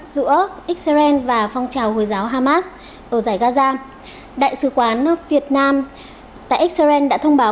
giữa israel và phong trào hồi giáo hamas ở giải gaza đại sứ quán việt nam tại israel đã thông báo